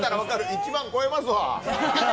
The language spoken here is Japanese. １万超えますわ！